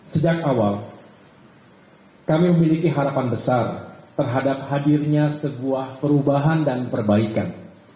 sejak awal kami memiliki harapan besar terhadap hadirnya sebuah perubahan dan perbaikan